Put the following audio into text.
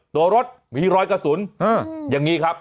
ตัวรถมีรอยกระสุนอย่างนี้ครับ